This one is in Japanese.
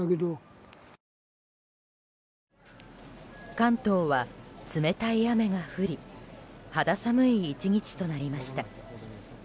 関東は冷たい雨が降り肌寒い１日となりました。